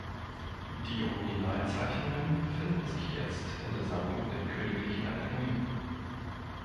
Die Originalzeichnungen befinden sich jetzt in der Sammlung der Königlichen Akademie.